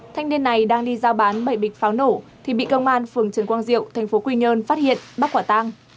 thanh niên này đang đi giao bán bảy bịch pháo nổ thì bị công an phường trần quang diệu thành phố quy nhơn phát hiện bắt quả tăng